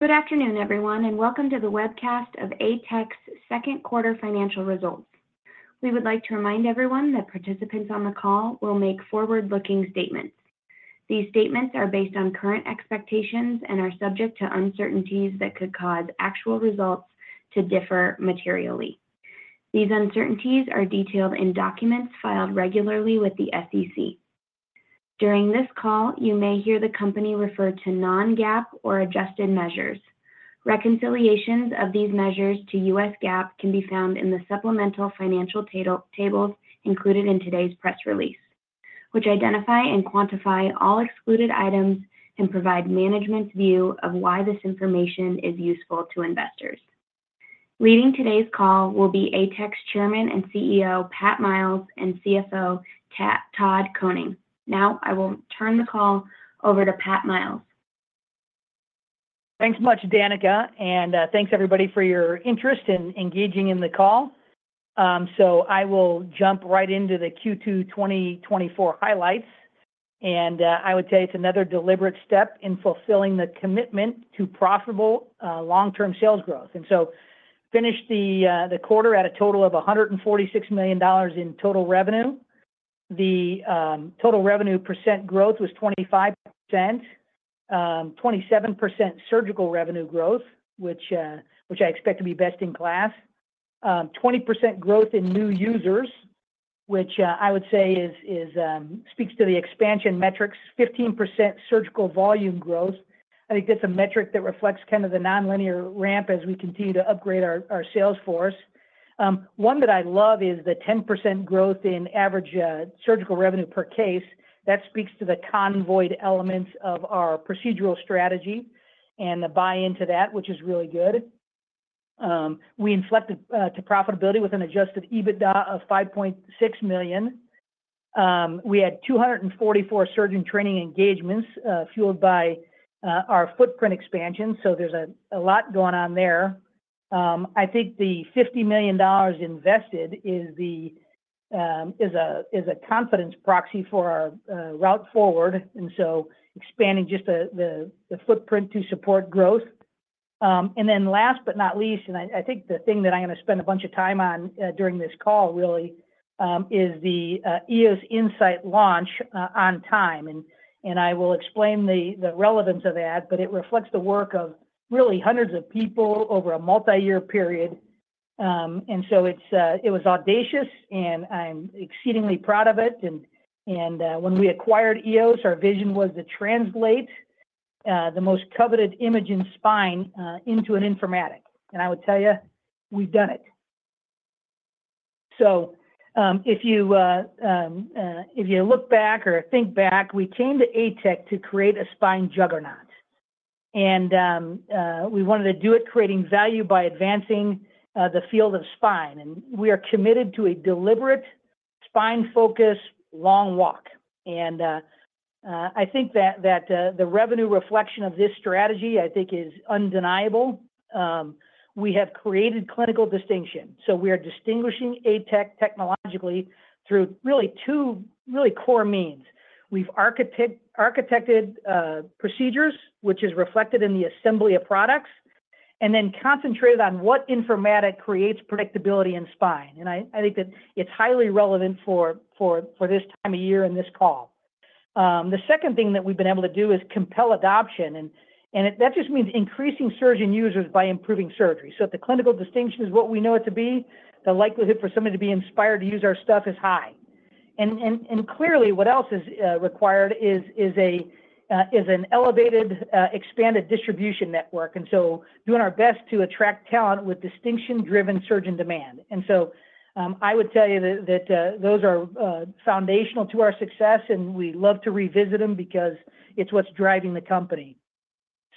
Good afternoon, everyone, and welcome to the webcast of ATEC's second quarter financial results. We would like to remind everyone that participants on the call will make forward-looking statements. These statements are based on current expectations and are subject to uncertainties that could cause actual results to differ materially. These uncertainties are detailed in documents filed regularly with the SEC. During this call, you may hear the company refer to non-GAAP or adjusted measures. Reconciliations of these measures to U.S. GAAP can be found in the supplemental financial tables included in today's press release, which identify and quantify all excluded items and provide management's view of why this information is useful to investors. Leading today's call will be ATEC's Chairman and CEO, Pat Miles, and CFO, Todd Koning. Now, I will turn the call over to Pat Miles. Thanks much, Danica, and thanks everybody for your interest in engaging in the call. So, I will jump right into the Q2 2024 highlights, and I would say it's another deliberate step in fulfilling the commitment to profitable long-term sales growth. And so, finished the quarter at a total of $146 million in total revenue. The total revenue percent growth was 25%, 27% surgical revenue growth, which I expect to be best in class. 20% growth in new users, which I would say speaks to the expansion metrics, 15% surgical volume growth. I think that's a metric that reflects kind of the nonlinear ramp as we continue to upgrade our sales force. One that I love is the 10% growth in average surgical revenue per case. That speaks to the conveyed elements of our procedural strategy and the buy-in to that, which is really good. We inflected to profitability with an adjusted EBITDA of $5.6 million. We had 244 surgeon training engagements fueled by our footprint expansion, so, there's a lot going on there. I think the $50 million invested is a confidence proxy for our route forward, and so, expanding just the footprint to support growth. And then last but not least, I think the thing that I'm gonna spend a bunch of time on during this call, really, is the EOS Insight launch on time. And I will explain the relevance of that, but it reflects the work of really hundreds of people over a multi-year period. And so, it was audacious, and I'm exceedingly proud of it. And when we acquired EOS, our vision was to translate the most coveted image in spine into an informatic, and I would tell you, we've done it. So, if you look back or think back, we came to ATEC to create a spine juggernaut, and we wanted to do it creating value by advancing the field of spine. And we are committed to a deliberate spine-focused long walk. And I think that the revenue reflection of this strategy, I think, is undeniable. We have created clinical distinction, so, we are distinguishing ATEC technologically through really two really core means. We've architected procedures, which is reflected in the assembly of products, and then concentrated on what informatic creates predictability in spine. And I think that it's highly relevant for this time of year and this call. The second thing that we've been able to do is compel adoption, and that just means increasing surgeon users by improving surgery. So, if the clinical distinction is what we know it to be, the likelihood for somebody to be inspired to use our stuff is high. And clearly, what else is required is an elevated, expanded distribution network, and so, doing our best to attract talent with distinction-driven surgeon demand. And so, I would tell you that those are foundational to our success, and we love to revisit them because it's what's driving the company.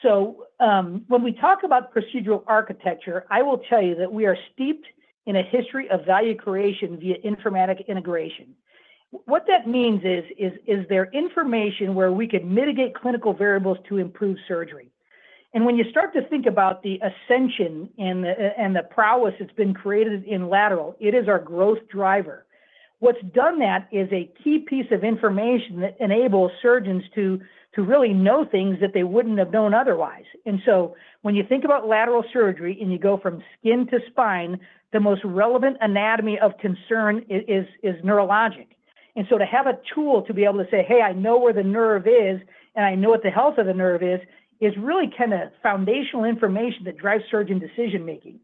So, when we talk about procedural architecture, I will tell you that we are steeped in a history of value creation via informatic integration. What that means is their information where we could mitigate clinical variables to improve surgery? And when you start to think about the ascension and the prowess that's been created in lateral, it is our growth driver. What's done that is a key piece of information that enables surgeons to really know things that they wouldn't have known otherwise. And so, when you think about lateral surgery and you go from skin to spine, the most relevant anatomy of concern is neurologic. And so, to have a tool to be able to say, "Hey, I know where the nerve is, and I know what the health of the nerve is," is really kinda foundational information that drives surgeon decision-making.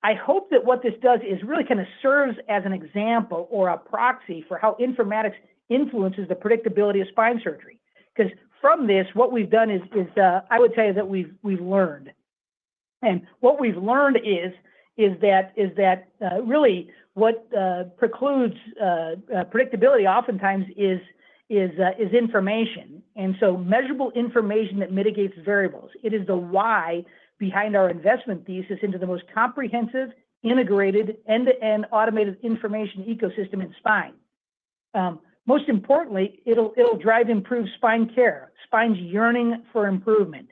I hope that what this does is really kinda serves as an example or a proxy for how informatics influences the predictability of spine surgery. 'Cause from this, what we've done is I would tell you that we've learned. And what we've learned is that really what precludes predictability oftentimes is information, and so, measurable information that mitigates variables. It is the why behind our investment thesis into the most comprehensive, integrated, end-to-end automated information ecosystem in spine. Most importantly, it'll drive improved spine care. Spine's yearning for improvement.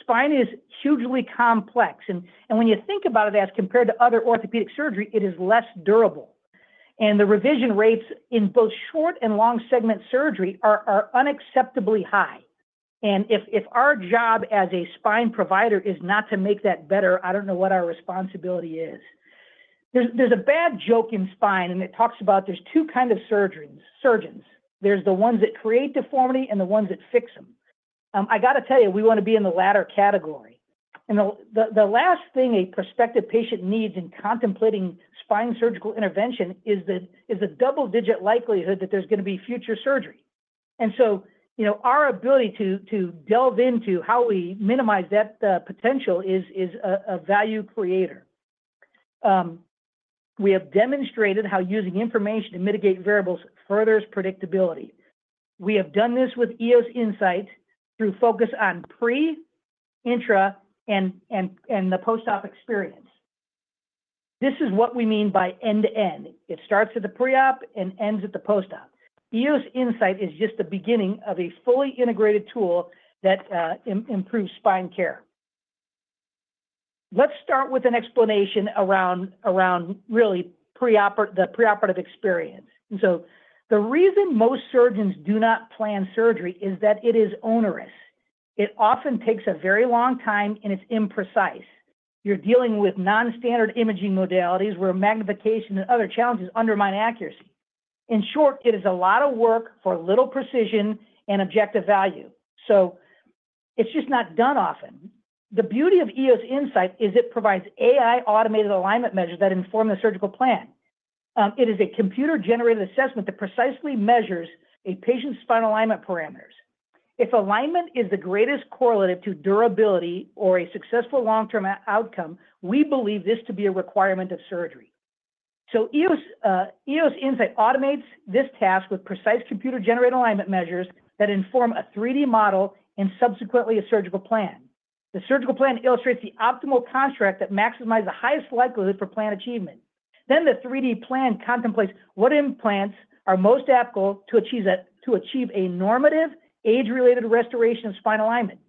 Spine is hugely complex, and when you think about it as compared to other orthopedic surgery, it is less durable.... The revision rates in both short and long segment surgery are unacceptably high. If our job as a spine provider is not to make that better, I don't know what our responsibility is. There's a bad joke in spine, and it talks about there's two kinds of surgeries-- surgeons. There are the ones that create deformity and the ones that fix them. I got to tell you; we want to be in the latter category. The last thing a prospective patient needs in contemplating spine surgical intervention is a double-digit likelihood that there's going to be future surgery. And so, you know, our ability to delve into how we minimize that potential is a value creator. We have demonstrated how using information to mitigate variables furthers predictability. We have done this with EOS Insight through focus on pre, intra, and the post-op experience. This is what we mean by end-to-end. It starts at the pre-op and ends at the post-op. EOS Insight is just the beginning of a fully integrated tool that improves spine care. Let's start with an explanation around the preoperative experience. And so, the reason most surgeons do not plan surgery is that it is onerous. It often takes a very long time, and it's imprecise. You're dealing with non-standard imaging modalities, where magnification and other challenges undermine accuracy. In short, it is a lot of work for little precision and objective value, so, it's just not done often. The beauty of EOS Insight is it provides AI automated alignment measures that inform the surgical plan. It is a computer-generated assessment that precisely measures a patient's spine alignment parameters. If alignment is the greatest correlative to durability or a successful long-term outcome, we believe this to be a requirement of surgery. So, EOS Insight automates this task with precise computer-generated alignment measures that inform a 3D model and subsequently a surgical plan. The surgical plan illustrates the optimal contract that maximizes the highest likelihood for plan achievement. Then, the 3D plan contemplates what implants are most applicable to achieve a normative age-related restoration of spine alignment.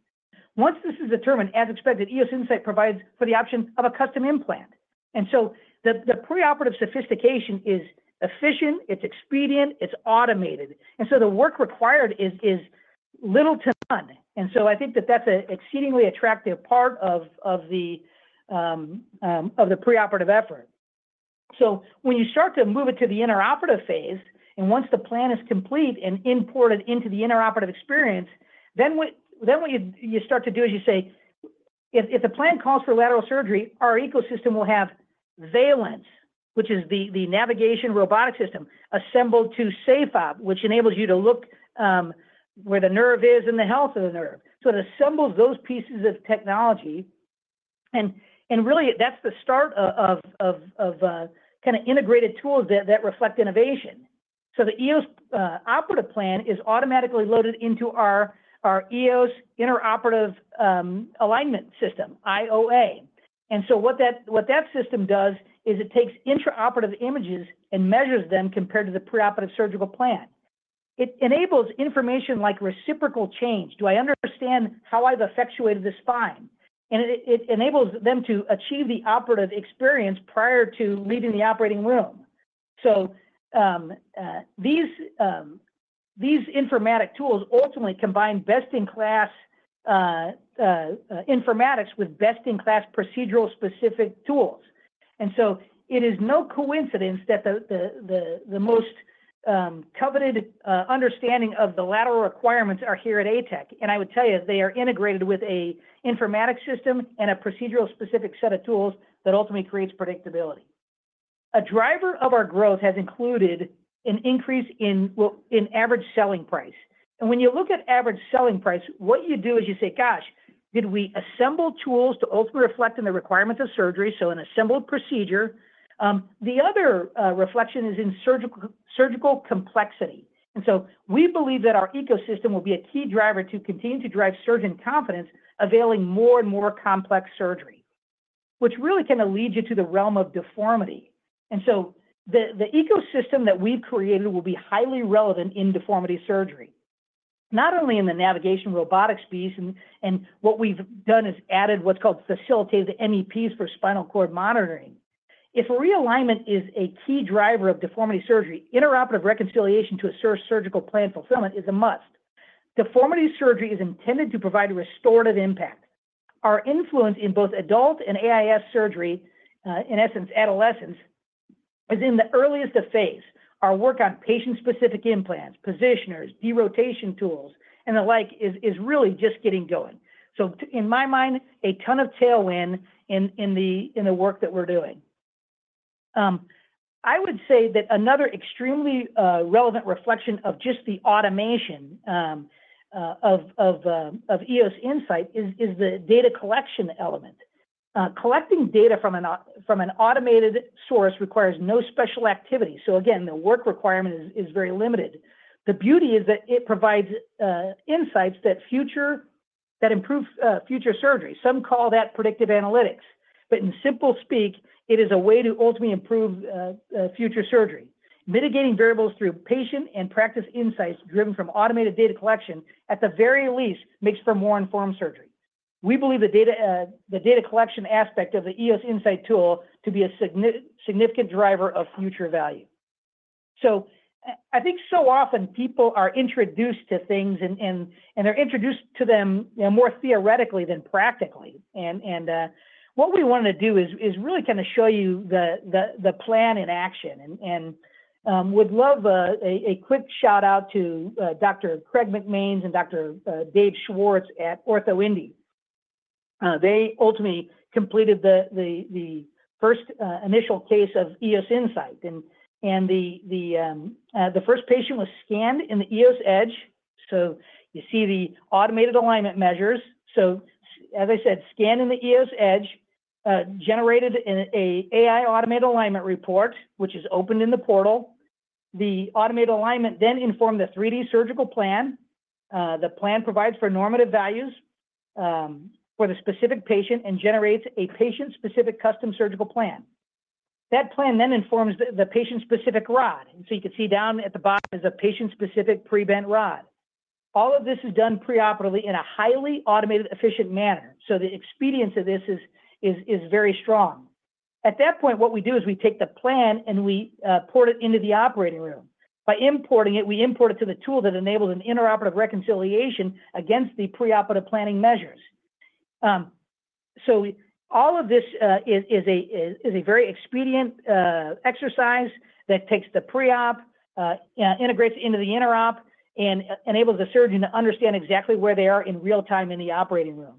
Once this is determined, as expected, EOS Insight provides for the option of a custom implant. And so, the preoperative sophistication is efficient, it's expedient, it's automated, and so, the work required is little to none. And so, I think that that's an exceedingly attractive part of the preoperative effort. So, when you start to move it to the intraoperative phase, and once the plan is complete and imported into the intraoperative experience, then what you start to do is you say, "If the plan calls for lateral surgery, our ecosystem will have Valence, which is the navigation robotic system, assembled to SafeOp, which enables you to look where the nerve is and the health of the nerve." So, it assembles those pieces of technology and really that's the start of kind of integrated tools that reflect innovation. So, the EOS operative plan is automatically loaded into our EOS intraoperative alignment system, IOA. And so, what that system does is it takes intraoperative images and measures them compared to the preoperative surgical plan. It enables information like reciprocal change. Do I understand how I've effectuated the spine? And it enables them to achieve the operative experience prior to leaving the operating room. So, these informatic tools ultimately combine best-in-class informatics with best-in-class procedural specific tools. And so, it is no coincidence that the most coveted understanding of the lateral requirements are here at ATEC. And I would tell you, they are integrated with an informatic system and a procedural specific set of tools that ultimately creates predictability. A driver of our growth has included an increase in, well, in average selling price. And when you look at average selling price, what you do is you say, "Gosh, did we assemble tools to ultimately reflect on the requirements of surgery?" So, an assembled procedure. The other reflection is in surgical complexity. And so, we believe that our ecosystem will be a key driver to continue to drive surgeon confidence, availing more and more complex surgery, which really can lead you to the realm of deformity. And so, the ecosystem that we've created will be highly relevant in deformity surgery, not only in the navigation robotics piece, and what we've done is added what's called facilitated MEPs for spinal cord monitoring. If realignment is a key driver of deformity surgery, intraoperative reconciliation to a surgical plan fulfillment is a must. Deformity surgery is intended to provide a restorative impact. Our influence in both adult and AIS surgery, in essence, adolescents, is in the earliest of phase. Our work on patient-specific implants, positioners, derotation tools, and the like is really just getting going. So, in my mind, a ton of tailwind in the work that we're doing. I would say that another extremely relevant reflection of just the automation of EOS Insight is the data collection element. Collecting data from an automated source requires no special activity. So, again, the work requirement is very limited. The beauty is that it provides insights that improve future surgery. Some call that predictive analytics, but in simple speak, it is a way to ultimately improve future surgery. Mitigating variables through patient and practice insights driven from automated data collection, at the very least, makes for more informed surgery. We believe the data collection aspect of the EOS Insight tool to be a significant driver of future value. So, I think so often people are introduced to things and they're introduced to them more theoretically than practically. What we want to do is really kind of show you the plan in action and would love a quick shout-out to Dr. Craig McMains and Dr. David Schwartz at OrthoIndy. They ultimately completed the first initial case of EOS Insight. The first patient was scanned in the EOS Edge. So, you see the automated alignment measures. So, as I said, scanned in the EOS Edge, generated an AI-automated alignment report, which is opened in the portal. The automated alignment then informed the 3D surgical plan. The plan provides for normative values, for the specific patient and generates a patient-specific custom surgical plan. That plan then informs the patient-specific rod. And so, you can see down at the bottom is a patient-specific pre-bent rod. All of this is done preoperatively in a highly automated, efficient manner, so the expedience of this is very strong. At that point, what we do is we take the plan, and we port it into the operating room. By importing it, we import it to the tool that enables an intraoperative reconciliation against the preoperative planning measures. So, all of this is a very expedient exercise that takes the pre-op, integrates into the intra-op, and enables the surgeon to understand exactly where they are in real time in the operating room.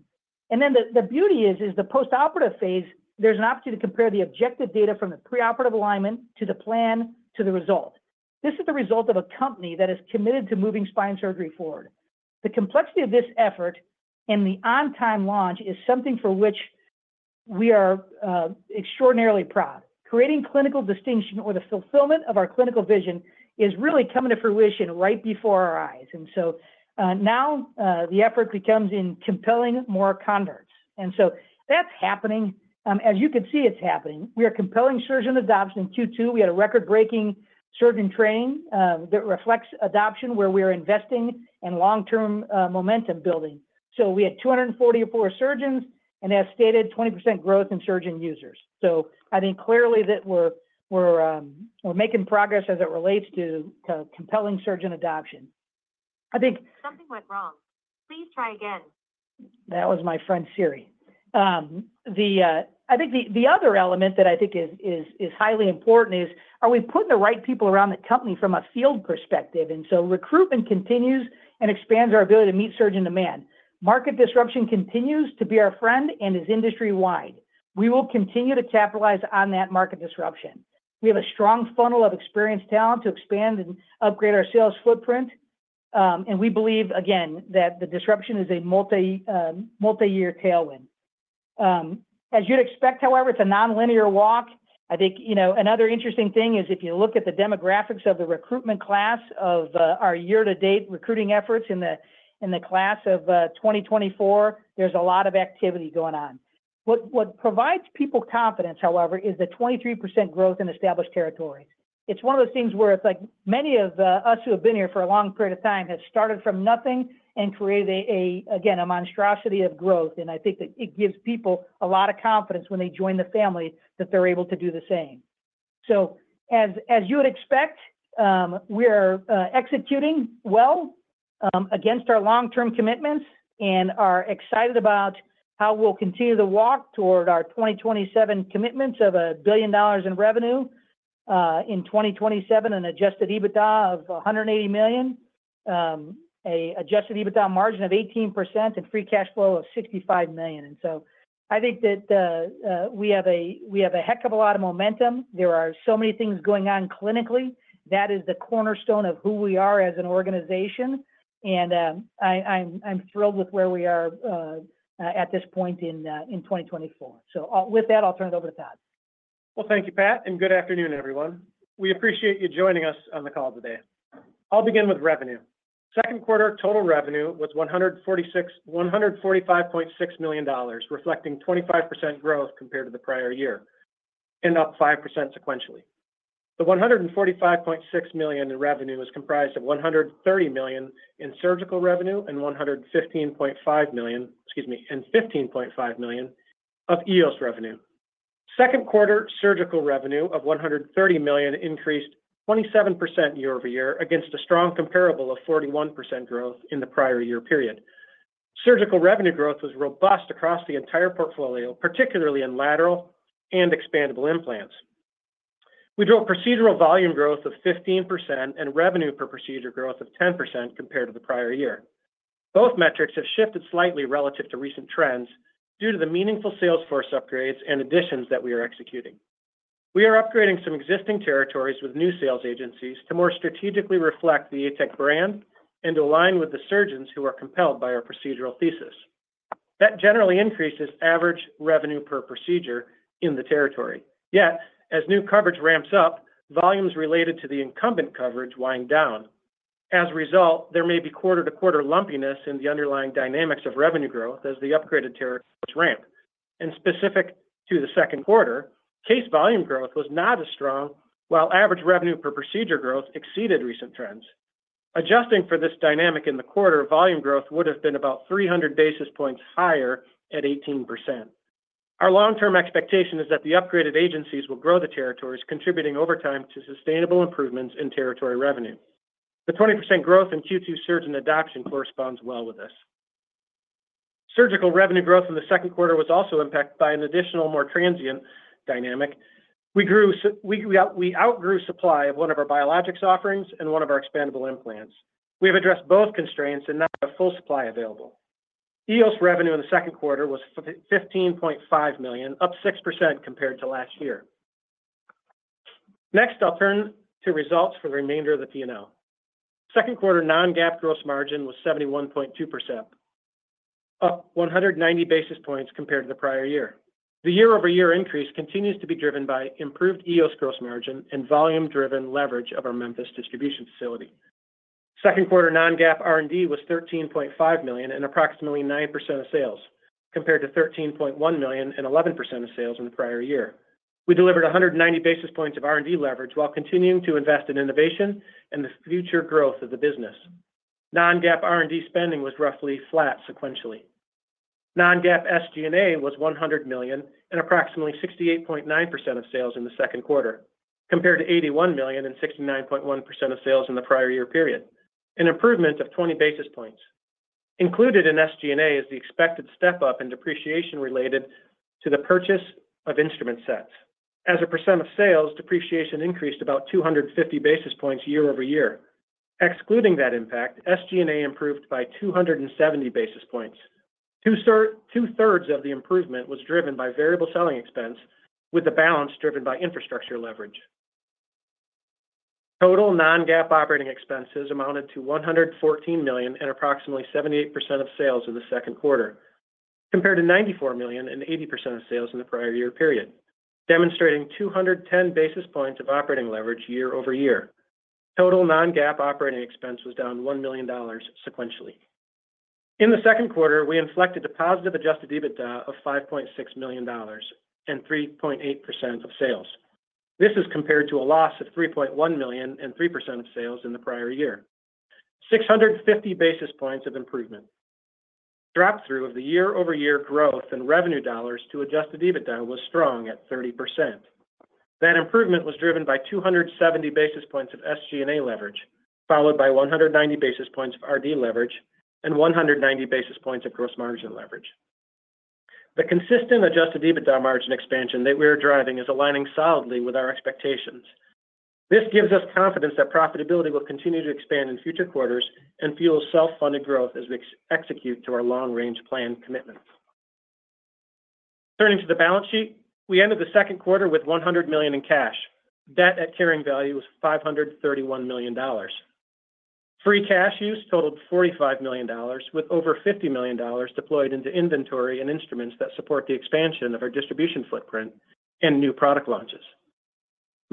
And then the beauty is the postoperative phase, there's an opportunity to compare the objective data from the preoperative alignment to the plan to the result. This is the result of a company that is committed to moving spine surgery forward. The complexity of this effort and the on-time launch is something for which we are extraordinarily proud. Creating clinical distinction or the fulfillment of our clinical vision is really coming to fruition right before our eyes. And so, now the effort becomes in compelling more converts. And so, that's happening. As you can see, it's happening. We are compelling surgeon adoption in Q2. We had a record-breaking surgeon training that reflects adoption, where we are investing in long-term momentum building. So, we had 244 surgeons, and as stated, 20% growth in surgeon users. So, I think clearly that we're making progress as it relates to compelling surgeon adoption. I think- Something went wrong. Please try again. That was my friend, Siri. I think the other element that I think is highly important is, are we putting the right people around the company from a field perspective? So, recruitment continues and expands our ability to meet surgeon demand. Market disruption continues to be our friend and is industry wide. We will continue to capitalize on that market disruption. We have a strong funnel of experienced talent to expand and upgrade our sales footprint. And we believe, again, that the disruption is a multi-year tailwind. As you'd expect, however, it's a nonlinear walk. I think, you know, another interesting thing is if you look at the demographics of the recruitment class of our year-to-date recruiting efforts in the class of 2024, there's a lot of activity going on. What provides people confidence, however, is the 23% growth in established territories. It's one of those things where it's like many of us who have been here for a long period of time have started from nothing and created, again, a monstrosity of growth. And I think that it gives people a lot of confidence when they join the family that they're able to do the same. So, as you would expect, we are executing well against our long-term commitments and are excited about how we'll continue to walk toward our 2027 commitments of $1 billion in revenue in 2027, an Adjusted EBITDA of $180 million, an Adjusted EBITDA margin of 18%, and free cash flow of $65 million. And so, I think that we have a heck of a lot of momentum. There are so many things going on clinically. That is the cornerstone of who we are as an organization, and I'm thrilled with where we are at this point in 2024. So, with that, I'll turn it over to Todd. Well, thank you, Pat, and good afternoon, everyone. We appreciate you joining us on the call today. I'll begin with revenue. Second quarter total revenue was $145.6 million, reflecting 25% growth compared to the prior year and up 5% sequentially. The $145.6 million in revenue is comprised of $130 million in surgical revenue and $15.5 million of EOS revenue. Second quarter surgical revenue of $130 million increased 27% year-over-year against a strong comparable of 41% growth in the prior year period. Surgical revenue growth was robust across the entire portfolio, particularly in lateral and expandable implants. We drove procedural volume growth of 15% and revenue per procedure growth of 10% compared to the prior year. Both metrics have shifted slightly relative to recent trends due to the meaningful sales force upgrades and additions that we are executing. We are upgrading some existing territories with new sales agencies to more strategically reflect the ATEC brand and align with the surgeons who are compelled by our procedural thesis. That generally increases average revenue per procedure in the territory. Yet, as new coverage ramps up, volumes related to the incumbent coverage wind down. As a result, there may be quarter-to-quarter lumpiness in the underlying dynamics of revenue growth as the upgraded territories ramp. Specific to the second quarter, case volume growth was not as strong, while average revenue per procedure growth exceeded recent trends.... Adjusting for this dynamic in the quarter, volume growth would have been about 300 basis points higher at 18%. Our long-term expectation is that the upgraded agencies will grow the territories, contributing over time to sustainable improvements in territory revenue. The 20% growth in Q2 surgeon adoption corresponds well with this. Surgical revenue growth in the second quarter was also impacted by an additional, more transient dynamic. We outgrew supply of one of our biologics offerings and one of our expandable implants. We have addressed both constraints and now have full supply available. EOS revenue in the second quarter was $15.5 million, up 6% compared to last year. Next, I'll turn to results for the remainder of the P&L. Second quarter non-GAAP gross margin was 71.2%, up 190 basis points compared to the prior year. The year-over-year increase continues to be driven by improved EOS gross margin and volume-driven leverage of our Memphis distribution facility. Second quarter non-GAAP R&D was $13.5 million and approximately 9% of sales, compared to $13.1 million and 11% of sales in the prior year. We delivered 190 basis points of R&D leverage while continuing to invest in innovation and the future growth of the business. Non-GAAP R&D spending was roughly flat sequentially. Non-GAAP SG&A was $100 million and approximately 68.9% of sales in the second quarter, compared to $81 million and 69.1% of sales in the prior year period, an improvement of 20 basis points. Included in SG&A is the expected step-up in depreciation related to the purchase of instrument sets. As a percent of sales, depreciation increased about 250 basis points year-over-year. Excluding that impact, SG&A improved by 270 basis points. Two-third, two-thirds of the improvement was driven by variable selling expense, with the balance driven by infrastructure leverage. Total non-GAAP operating expenses amounted to $114 million and approximately 78% of sales in the second quarter, compared to $94 million and 80% of sales in the prior year period, demonstrating 210 basis points of operating leverage year-over-year. Total non-GAAP operating expense was down $1 million sequentially. In the second quarter, we inflected a positive adjusted EBITDA of $5.6 million and 3.8% of sales. This is compared to a loss of $3.1 million and 3% of sales in the prior year. 650 basis points of improvement. Drop-through of the year-over-year growth in revenue dollars to Adjusted EBITDA was strong at 30%. That improvement was driven by 270 basis points of SG&A leverage, followed by 190 basis points of R&D leverage and 190 basis points of gross margin leverage. The consistent Adjusted EBITDA margin expansion that we are driving is aligning solidly with our expectations. This gives us confidence that profitability will continue to expand in future quarters and fuel self-funded growth as we execute to our long-range plan commitments. Turning to the balance sheet, we ended the second quarter with $100 million in cash. Debt at carrying value was $531 million. Free cash use totaled $45 million, with over $50 million deployed into inventory and instruments that support the expansion of our distribution footprint and new product launches.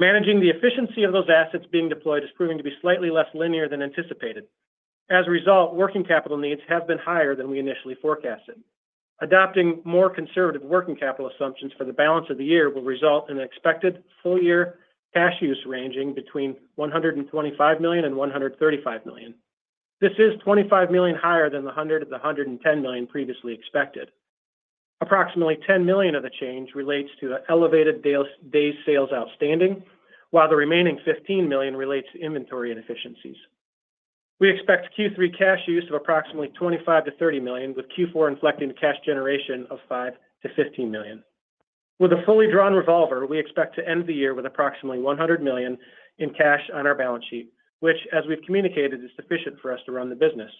Managing the efficiency of those assets being deployed is proving to be slightly less linear than anticipated. As a result, working capital needs have been higher than we initially forecasted. Adopting more conservative working capital assumptions for the balance of the year will result in an expected full year cash use ranging between $125 million and $135 million. This is $25 million higher than the $100 million to the $110 million previously expected. Approximately $10 million of the change relates to elevated days sales outstanding, while the remaining $15 million relates to inventory inefficiencies. We expect Q3 cash use of approximately $25 million-$30 million, with Q4 inflecting cash generation of $5 million-$15 million. With a fully drawn revolver, we expect to end the year with approximately $100 million in cash on our balance sheet, which, as we've communicated, is sufficient for us to run the business.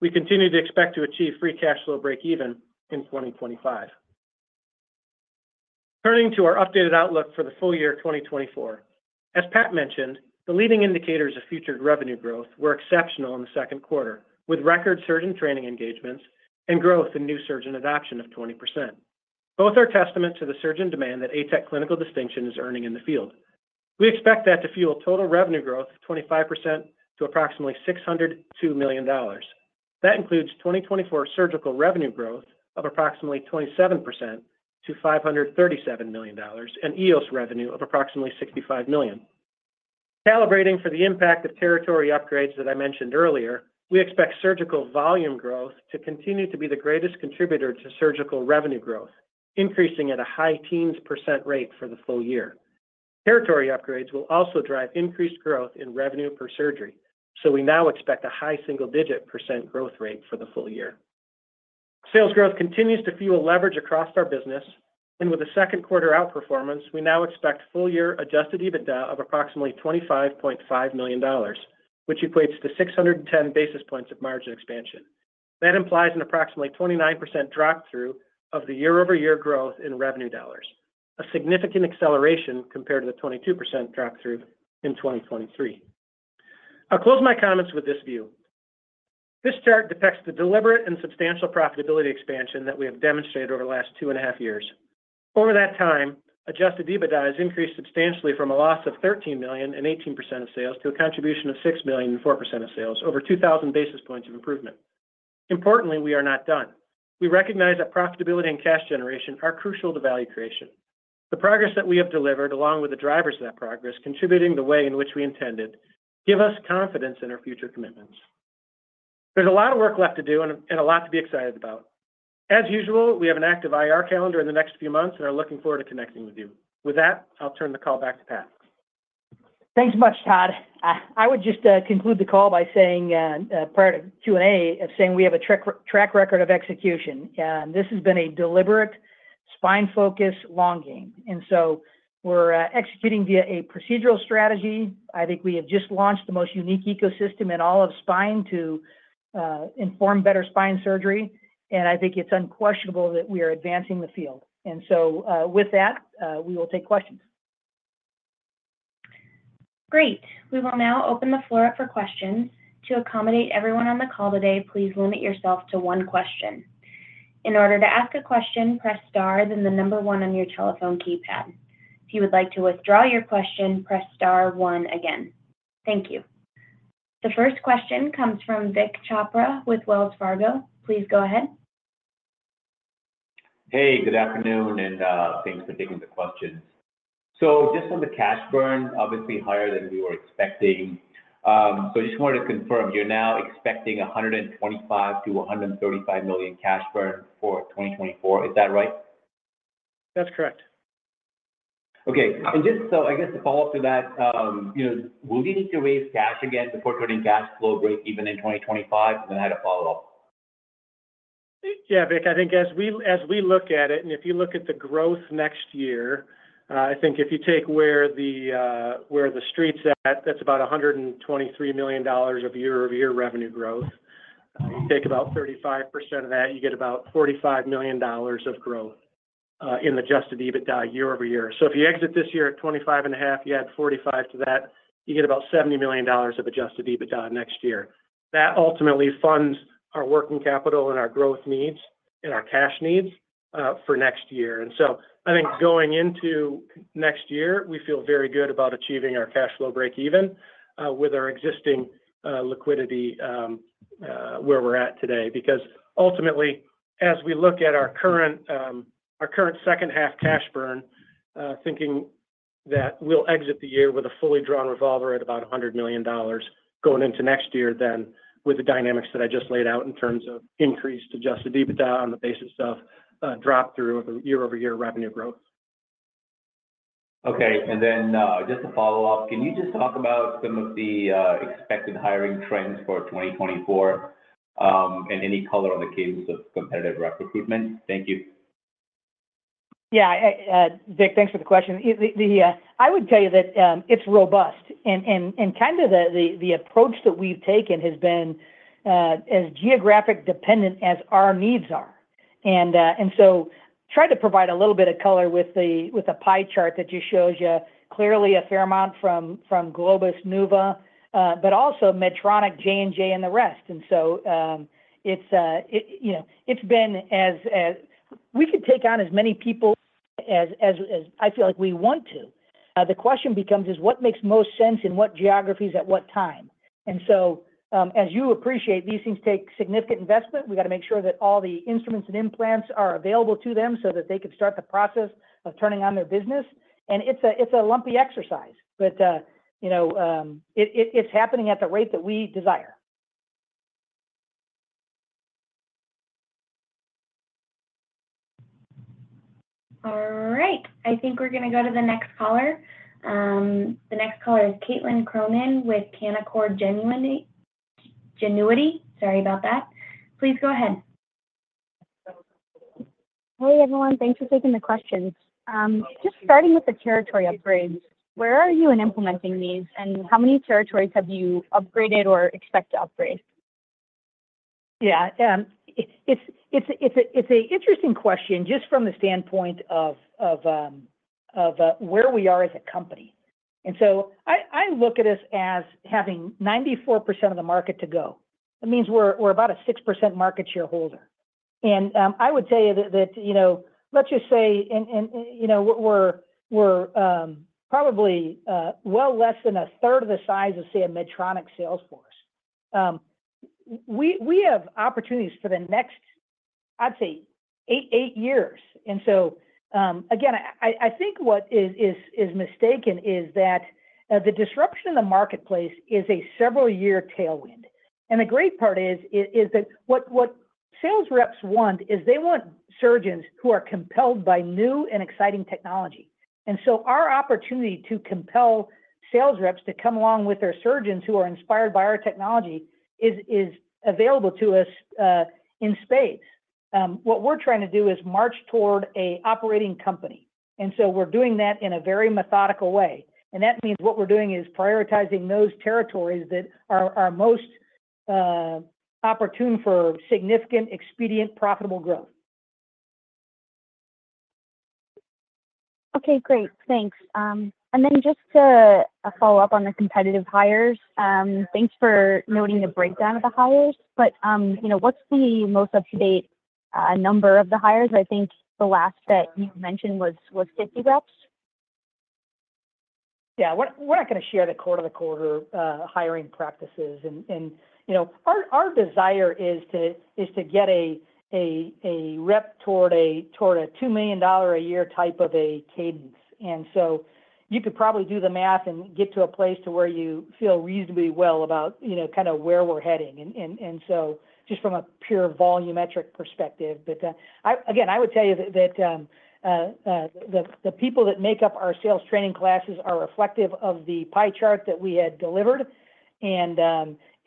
We continue to expect to achieve free cash flow breakeven in 2025. Turning to our updated outlook for the full year of 2024. As Pat mentioned, the leading indicators of future revenue growth were exceptional in the second quarter, with record surgeon training engagements and growth in new surgeon adoption of 20%. Both are testament to the surgeon demand that ATEC clinical distinction is earning in the field. We expect that to fuel total revenue growth of 25% to approximately $602 million. That includes 2024 surgical revenue growth of approximately 27% to $537 million, and EOS revenue of approximately $65 million. Calibrating for the impact of territory upgrades that I mentioned earlier, we expect surgical volume growth to continue to be the greatest contributor to surgical revenue growth, increasing at a high teen % rate for the full year. Territory upgrades will also drive increased growth in revenue per surgery, so we now expect a high single-digit % growth rate for the full year. Sales growth continues to fuel leverage across our business, and with a second quarter outperformance, we now expect full year Adjusted EBITDA of approximately $25.5 million, which equates to 610 basis points of margin expansion. That implies an approximately 29% drop-through of the year-over-year growth in revenue dollars, a significant acceleration compared to the 22% drop-through in 2023. I'll close my comments with this view. This chart depicts the deliberate and substantial profitability expansion that we have demonstrated over the last 2.5 years. Over that time, Adjusted EBITDA has increased substantially from a loss of $13 million and 18% of sales, to a contribution of $6 million and 4% of sales, over 2,000 basis points of improvement. Importantly, we are not done. We recognize that profitability and cash generation are crucial to value creation. The progress that we have delivered, along with the drivers of that progress, contributing the way in which we intended, give us confidence in our future commitments. There's a lot of work left to do and a lot to be excited about. As usual, we have an active IR calendar in the next few months, and are looking forward to connecting with you. With that, I'll turn the call back to Pat. Thanks much, Todd. I would just conclude the call by saying, prior to Q&A, saying we have a track record of execution. This has been a deliberate, spine-focused long game. And so, we're executing via a procedural strategy. I think we have just launched the most unique ecosystem in all of spine to inform better spine surgery, and I think it's unquestionable that we are advancing the field. And so, with that, we will take questions. Great. We will now open the floor up for questions. To accommodate everyone on the call today, please limit yourself to one question. In order to ask a question, press Star, then the number one on your telephone keypad. If you would like to withdraw your question, press Star One again. Thank you. The first question comes from Vik Chopra with Wells Fargo. Please go ahead. Hey, good afternoon, and thanks for taking the questions. So, just on the cash burn, obviously higher than we were expecting. So just wanted to confirm, you're now expecting $125 million-$135 million cash burn for 2024. Is that right? That's correct. Okay. And just so, I guess to follow up to that, you know, will we need to raise cash again before turning cash flow break even in 2025? And then I had a follow-up. Yeah, Vik, I think as we look at it, and if you look at the growth next year, I think if you take where the street's at, that's about $123 million of year-over-year revenue growth. You take about 35% of that, you get about $45 million of growth in Adjusted EBITDA year-over-year. So, if you exit this year at $25.5 million, you add $45 million to that, you get about $70 million of Adjusted EBITDA next year. That ultimately funds our working capital and our growth needs and our cash needs for next year. And so, I think going into next year, we feel very good about achieving our cash flow break even with our existing liquidity where we're at today. Because ultimately, as we look at our current, our current second half cash burn, thinking that we'll exit the year with a fully drawn revolver at about $100 million going into next year, then with the dynamics that I just laid out in terms of increased adjusted EBITDA on the basis of, drop through of a year-over-year revenue growth. Okay. And then, just to follow up, can you just talk about some of the expected hiring trends for 2024, and any color on the cases of competitive rep recruitment? Thank you. Yeah, Vik, thanks for the question. I would tell you that it's robust and kind of the approach that we've taken has been as geographic dependent as our needs are. And so, try to provide a little bit of color with the pie chart that just shows you clearly a fair amount from Globus, NuVasive, but also Medtronic, J&J, and the rest. And so, you know, it's been as we could take on as many people as I feel like we want to. The question becomes is: What makes most sense in what geographies at what time? And so, as you appreciate, these things take significant investment. We got to make sure that all the instruments and implants are available to them, so that they can start the process of turning on their business. It's a lumpy exercise, but you know, it's happening at the rate that we desire. All right. I think we're gonna go to the next caller. The next caller is Caitlin Cronin with Canaccord Genuity, Genuity. Sorry about that. Please go ahead. Hey, everyone. Thanks for taking the questions. Just starting with the territory upgrades, where are you in implementing these, and how many territories have you upgraded or expect to upgrade? Yeah, it's an interesting question just from the standpoint of where we are as a company. And so, I look at us as having 94% of the market to go. That means we're about a 6% market share holder. And I would tell you that, you know, let's just say, and you know, we're probably well less than a third of the size of, say, a Medtronic sales force. We have opportunities for the next, I'd say, 8 years. And so, again, I think what is mistaken is that the disruption in the marketplace is a several-year tailwind. And the great part is that what sales reps want is they want surgeons who are compelled by new and exciting technology. And so, our opportunity to compel sales reps to come along with their surgeons who are inspired by our technology is available to us in spades. What we're trying to do is march toward a operating company, and so, we're doing that in a very methodical way. That means what we're doing is prioritizing those territories that are most opportune for significant, expedient, profitable growth. Okay, great. Thanks. And then just to follow up on the competitive hires, thanks for noting the breakdown of the hires, but you know, what's the most up-to-date number of the hires? I think the last that you mentioned was 50 reps. Yeah, we're not gonna share the quarter-to-quarter hiring practices. And, you know, our desire is to get a rep toward a $2 million a year type of a cadence. And so, you could probably do the math and get to a place to where you feel reasonably well about, you know, kinda where we're heading. And so, just from a pure volumetric perspective. But I again would tell you that the people that make up our sales training classes are reflective of the pie chart that we had delivered, and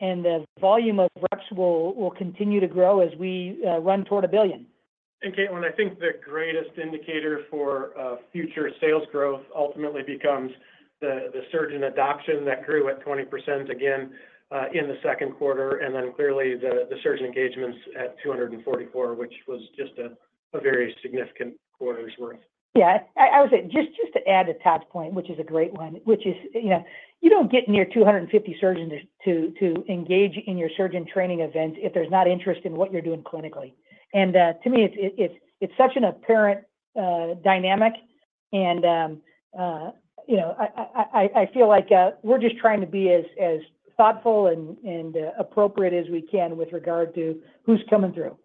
the volume of reps will continue to grow as we run toward a $1 billion. And Caitlin, I think the greatest indicator for future sales growth ultimately becomes the surgeon adoption that grew at 20% again in the second quarter, and then clearly the surgeon engagements at 244, which was just a very significant quarter's worth. Yeah. I would say, just to add to Todd's point, which is a great one, which is, you know, you don't get near 250 surgeons to engage in your surgeon training event if there's not interest in what you're doing clinically. And to me, it's such an apparent dynamic, and you know, I feel like we're just trying to be as thoughtful and appropriate as we can with regard to who's coming through.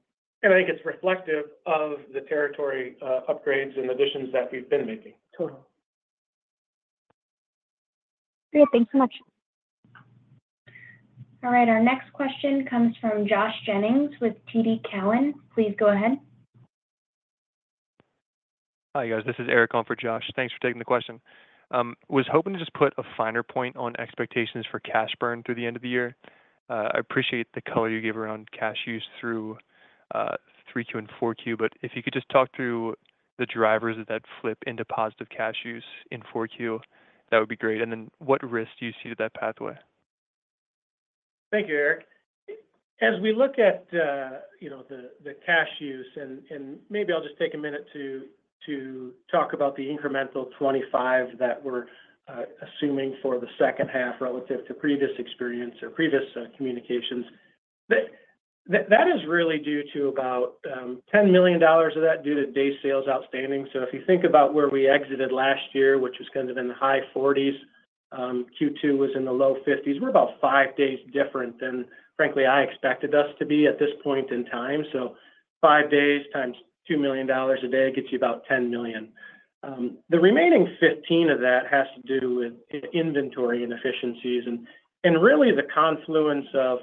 I think it's reflective of the territory upgrades and additions that we've been making. Totally. Great. Thanks so much. All right, our next question comes from Josh Jennings with TD Cowen. Please go ahead. Hi, guys. This is Eric on for, Josh. Thanks for taking the question. Was hoping to just put a finer point on expectations for cash burn through the end of the year. I appreciate the color you gave around cash use through three Q and four Q, but if you could just talk through the drivers that flip into positive cash use in four Q, that would be great. And then what risks do you see to that pathway? Thank you, Eric. As we look at, you know, the cash use, and maybe I'll just take a minute to talk about the incremental 25 that we're assuming for the second half relative to previous experience or previous communications. That is really due to about $10 million of that due to day sales outstanding. So, if you think about where we exited last year, which was kind of in the high 40s, Q2 was in the low 50s. We're about 5 days different than frankly; I expected us to be at this point in time. So, 5 days times $2 million a day gets you about $10 million. The remaining 15 of that has to do with in inventory inefficiencies and really the confluence of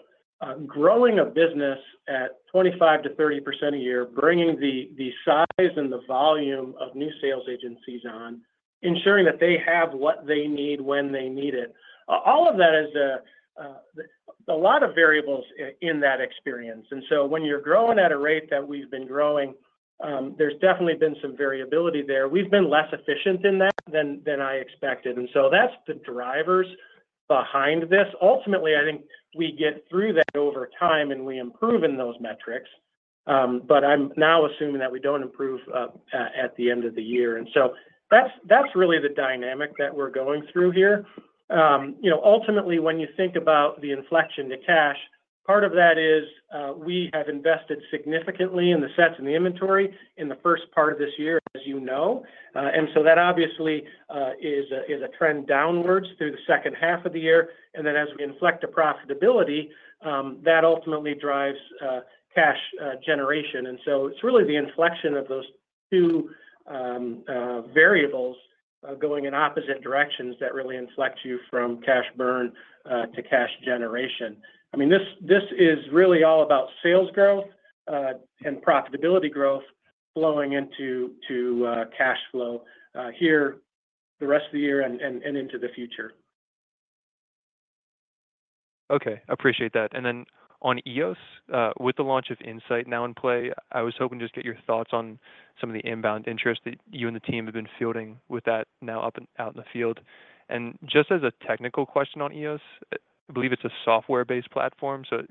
growing a business at 25%-30% a year, bringing the size and the volume of new sales agencies on, ensuring that they have what they need when they need it. All of that is a lot of variables in that experience. And so, when you're growing at a rate that we've been growing, there's definitely been some variability there. We've been less efficient in that than I expected, and so that's the drivers behind this. Ultimately, I think we get through that over time, and we improve in those metrics, but I'm now assuming that we don't improve at the end of the year. And so, that's really the dynamic that we're going through here. You know, ultimately, when you think about the inflection to cash, part of that is we have invested significantly in the sets and the inventory in the first part of this year, as you know. And so that obviously is a trend downwards through the second half of the year. And then as we inflect to profitability, that ultimately drives cash generation. And so, it's really the inflection of those two variables going in opposite directions that really inflect you from cash burn to cash generation. I mean, this is really all about sales growth and profitability growth flowing into cash flow here the rest of the year, and into the future. Okay, appreciate that. And then on EOS, with the launch of Insight now in play, I was hoping to just get your thoughts on some of the inbound interest that you and the team have been fielding with that now up and out in the field. And just as a technical question on EOS, I believe it's a software-based platform, so,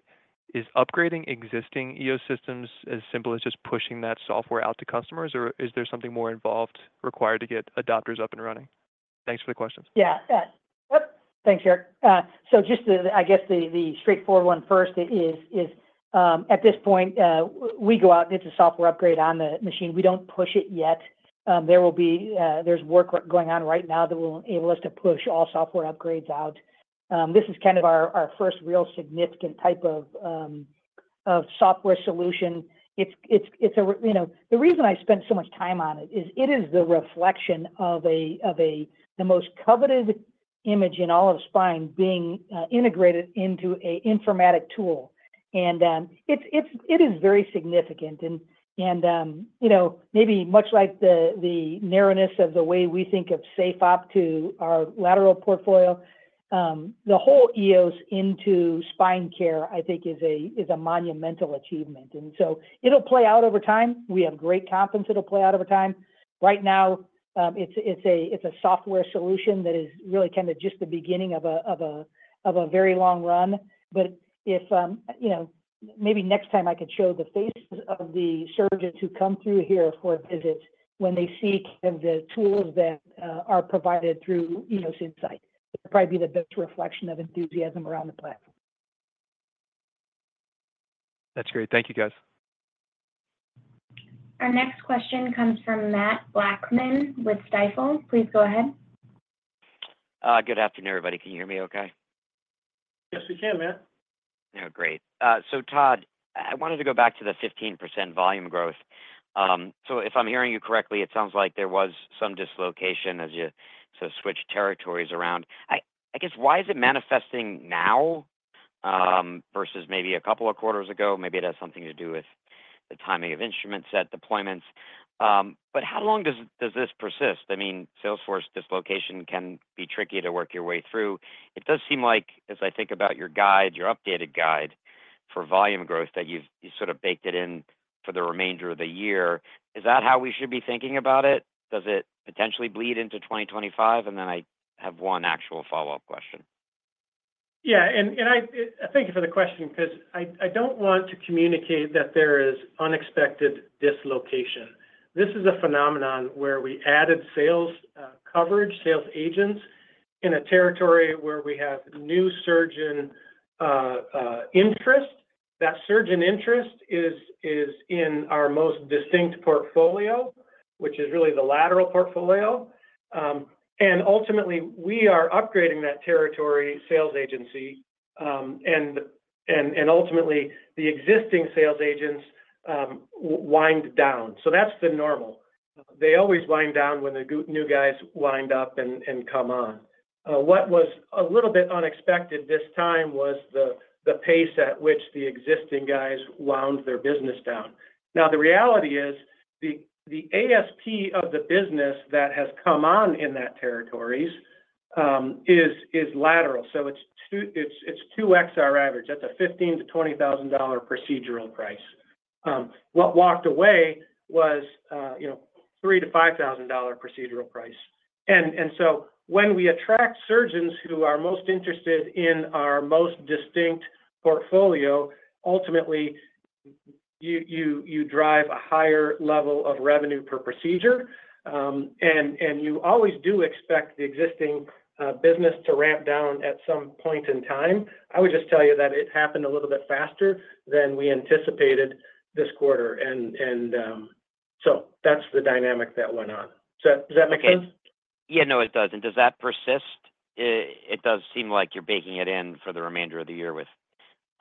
is upgrading existing EOS systems as simple as just pushing that software out to customers, or is there something more involved required to get adopters up and running? Thanks for the questions. Yeah. Yep. Thanks, Eric. So just the, I guess, the straightforward one first is, at this point, we go out and it's a software upgrade on the machine. We don't push it yet. There's work going on right now that will enable us to push all software upgrades out. This is kind of our first real significant type of software solution. It's, you know, the reason I spent so much time on it is, it is the reflection of the most coveted image in all of spine being integrated into an informatic tool. And it is very significant. You know, maybe much like the narrowness of the way we think of SafeOp to our lateral portfolio, the whole EOS Insight into spine care, I think, is a monumental achievement. And so, it'll play out over time. We have great confidence it'll play out over time. Right now, it's a software solution that is really kind of just the beginning of a very long run. But if you know, maybe next time I can show the faces of the surgeons who come through here for a visit when they see kind of the tools that are provided through EOS Insight. It'd probably be the best reflection of enthusiasm around the platform. That's great. Thank you, guys. Our next question comes from Matt Blackman with Stifel. Please go ahead. Good afternoon, everybody. Can you hear me okay? Yes, we can, Matt. Yeah, great. So Todd, I wanted to go back to the 15% volume growth. So, if I'm hearing you correctly, it sounds like there was some dislocation as you sort of switched territories around. I guess, why is it manifesting now, versus maybe a couple of quarters ago? Maybe it has something to do with the timing of instrument set deployments. But how long does this persist? I mean, sales force dislocation can be tricky to work your way through. It does seem like, as I think about your guide, your updated guide for volume growth, that you've sort of baked it in for the remainder of the year. Is that how we should be thinking about it? Does it potentially bleed into 2025? And then I have one actual follow-up question. Yeah, thank you for the question, 'cause I don't want to communicate that there is unexpected dislocation. This is a phenomenon where we added sales coverage, sales agents, in a territory where we have new surgeon interest. That surgeon interest is in our most distinct portfolio, which is really the lateral portfolio. And ultimately, we are upgrading that territory sales agency, ultimately, the existing sales agents, wind down. So that's the normal. They always wind down when the new guys wind up and come on. What was a little bit unexpected this time was the pace at which the existing guys wound their business down. Now, the reality is, the ASP of the business that has come on in that territory is lateral. So, it's two XR average. That's a $15,000-$20,000 procedural price. What walked away was, you know, $3,000-$5,000 procedural price. And so, when we attract surgeons who are most interested in our most distinct portfolio, ultimately, you drive a higher level of revenue per procedure, and you always do expect the existing business to ramp down at some point in time. I would just tell you that it happened a little bit faster than we anticipated this quarter, and so that's the dynamic that went on. So, does that make sense? Yeah. No, it does. And does that persist? It does seem like you're baking it in for the remainder of the year with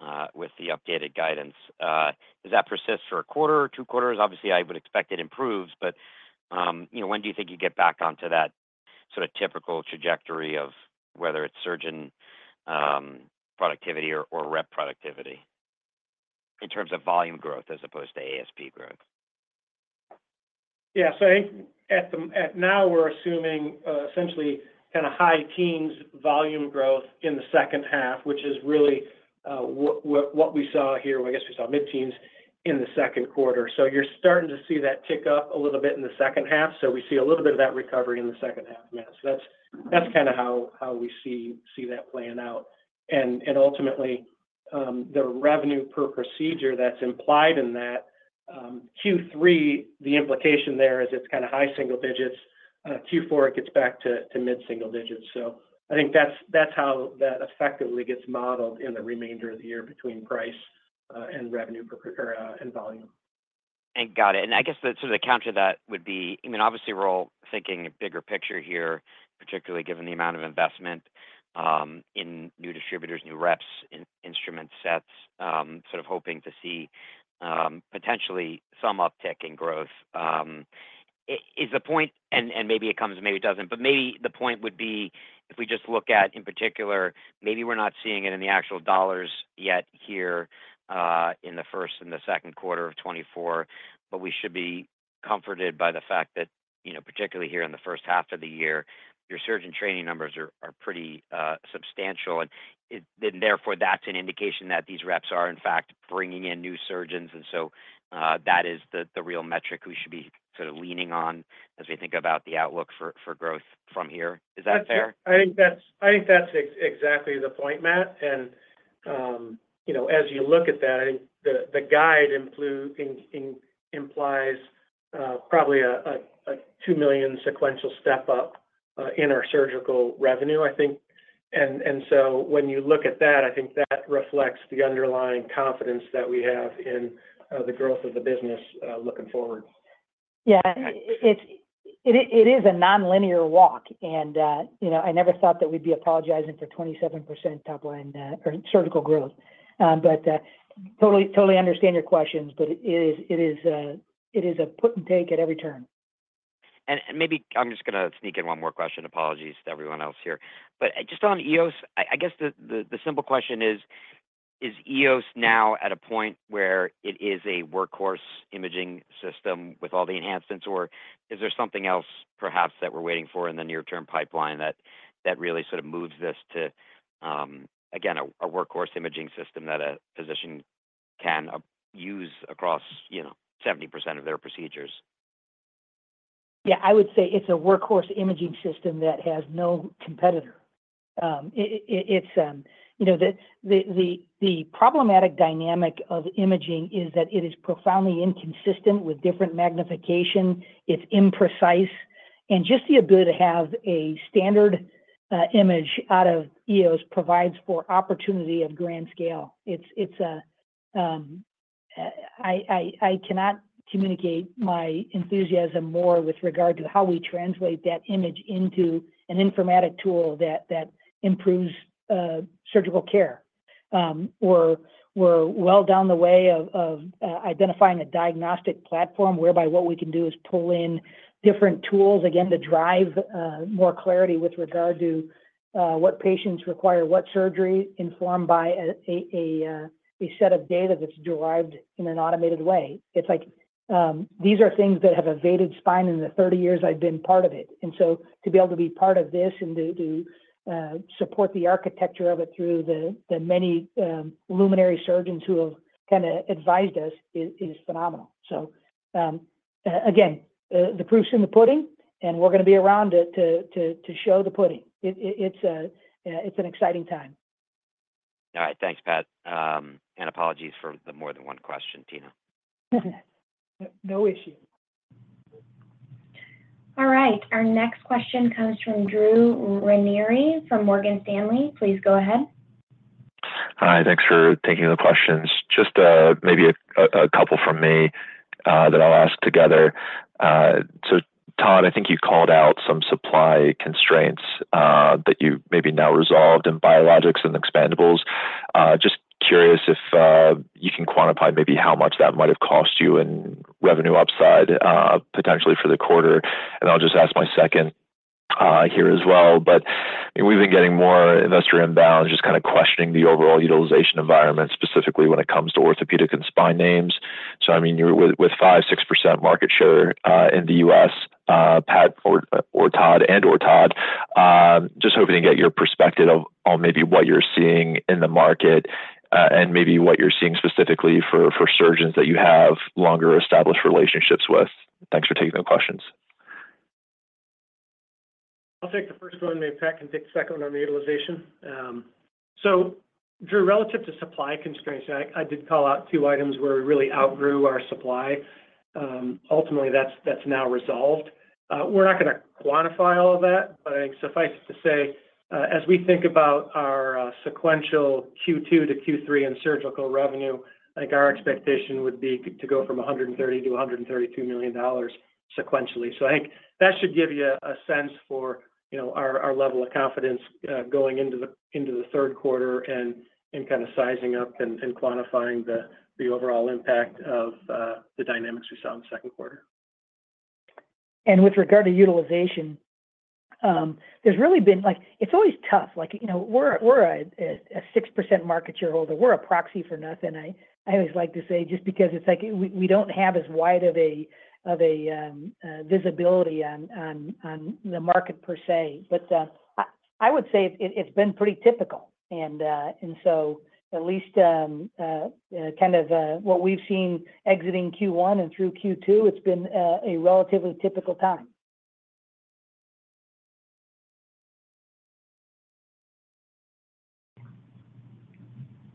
the updated guidance. Does that persist for a quarter or two quarters? Obviously, I would expect it improves, but, you know, when do you think you get back onto that sort of typical trajectory of whether it's surgeon productivity or rep productivity in terms of volume growth as opposed to ASP growth? Yeah. So, I think at now, we're assuming essentially kinda high teens volume growth in the second half, which is really what we saw here. I guess we saw mid-teens in the second quarter. So, you're starting to see that tick up a little bit in the second half. So, we see a little bit of that recovery in the second half, Matt. So that's kinda how we see that playing out. And ultimately, the revenue per procedure that's implied in that Q3, the implication there is its kinda high single digits. Q4, it gets back to mid-single digits. So, I think that's how that effectively gets modeled in the remainder of the year between price and revenue per and volume. Got it. I guess the sort of counter to that would be, I mean, obviously, we're all thinking bigger picture here, particularly given the amount of investment in new distributors, new reps, in instrument sets, sort of hoping to see potentially some uptick in growth. Is the point, and maybe it comes, and maybe it doesn't, but maybe the point would be if we just look at, in particular, maybe we're not seeing it in the actual dollars yet here in the first and the second quarter of 2024, but we should be comforted by the fact that, you know, particularly here in the first half of the year, your surgeon training numbers are pretty substantial, and it... And therefore, that's an indication that these reps are, in fact, bringing in new surgeons, and so, that is the real metric we should be sort of leaning on as we think about the outlook for growth from here. Is that fair? I think that's, I think that's exactly the point, Matt. And, you know, as you look at that, I think the, the guide implies, probably a $2 million sequential step up, in our surgical revenue, I think. And, so, when you look at that, I think that reflects the underlying confidence that we have in, the growth of the business, looking forward. Yeah, it's a nonlinear walk, and you know, I never thought that we'd be apologizing for 27% top line or surgical growth. But totally, totally understand your questions, but it is a put and take at every turn. Maybe I'm just gonna sneak in one more question. Apologies to everyone else here. But just on EOS, I guess the simple question is: Is EOS now at a point where it is a workhorse imaging system with all the enhancements, or is there something else, perhaps, that we're waiting for in the near-term pipeline that really sort of moves this to, again, a workhorse imaging system that a physician can use across, you know, 70% of their procedures? Yeah, I would say it's a workhorse imaging system that has no competitor. You know, the problematic dynamic of imaging is that it is profoundly inconsistent with different magnification. It's imprecise, and just the ability to have a standard image out of EOS provides for opportunity of grand scale. It's I cannot communicate my enthusiasm more with regard to how we translate that image into an informatic tool that improves surgical care. We're well down the way of identifying a diagnostic platform, whereby what we can do is pull in different tools, again, to drive more clarity with regard to what patients require, what surgery, informed by a set of data that's derived in an automated way. It's like, these are things that have evaded spine in the 30 years I've been part of it. And so to be able to be part of this and to support the architecture of it through the many luminary surgeons who have kinda advised us is phenomenal. So, again, the proof's in the pudding, and we're gonna be around to show the pudding. It, it's an exciting time. All right. Thanks, Pat. Apologies for the more than one question, Tina. No issue. All right. Our next question comes from Drew Ranieri from Morgan Stanley. Please go ahead. Hi, thanks for taking the questions. Just maybe a couple from me that I'll ask together. So, Todd, I think you called out some supply constraints that you've maybe now resolved in biologics and expendables. Just curious if you can quantify maybe how much that might have cost you in revenue upside, potentially for the quarter? And I'll just ask my second here as well, but we've been getting more investor inbound, just kinda questioning the overall utilization environment, specifically when it comes to orthopedic and spine names. So I mean, you're with, with 5-6% market share in the U.S., Pat or, or Todd, and/or Todd, just hoping to get your perspective of, on maybe what you're seeing in the market, and maybe what you're seeing specifically for, for surgeons that you have longer established relationships with. Thanks for taking the questions. I'll take the first one, maybe Pat can take the second on the utilization. So, Drew, relative to supply constraints, I did call out two items where we really outgrew our supply. Ultimately, that's now resolved. We're not gonna quantify all of that, but I suffice it to say, as we think about our sequential Q2 to Q3 in surgical revenue, I think our expectation would be to go from $130 million to $132 million sequentially. So, I think that should give you a sense for, you know, our level of confidence, going into the third quarter and kinda sizing up and quantifying the overall impact of the dynamics we saw in the second quarter. With regard to utilization, there's really been like... It's always tough. Like, you know, we're a 6% market shareholder. We're a proxy for nothing. I always like to say just because it's like we don't have as wide of a visibility on the market per se, but I would say it's been pretty typical. And so, at least, kind of, what we've seen exiting Q1 and through Q2, it's been a relatively typical time.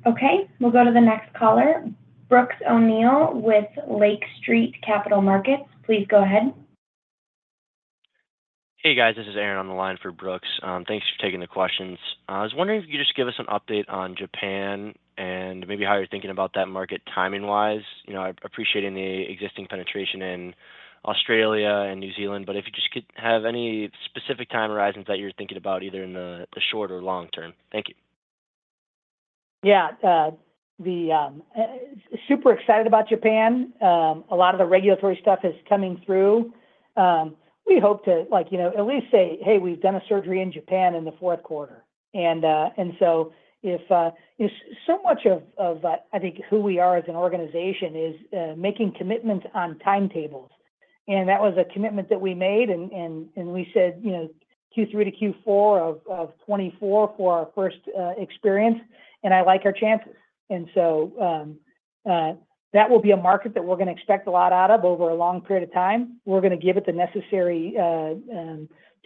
Okay. We'll go to the next caller, Brooks O'Neill with Lake Street Capital Markets. Please go ahead. Hey, guys, this is Aaron on the line for Brooks. Thanks for taking the questions. I was wondering if you could just give us an update on Japan and maybe how you're thinking about that market timing-wise. You know, I appreciate any existing penetration in Australia and New Zealand, but if you just could have any specific time horizons that you're thinking about, either in the short or long term. Thank you. Yeah, super excited about Japan. A lot of the regulatory stuff is coming through. We hope to, like, you know, at least say, "Hey, we've done a surgery in Japan in the fourth quarter." And so, if so, much of, I think who we are as an organization is making commitments on timetables, and that was a commitment that we made, and we said, you know, Q3 to Q4 of 2024 for our first experience, and I like our chances. And so, that will be a market that we're gonna expect a lot out of over a long period of time. We're gonna give it the necessary